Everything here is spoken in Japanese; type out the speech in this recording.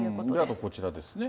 あとこちらですね。